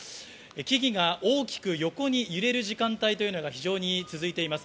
木々が大きく横に揺れる時間帯が非常に続いています。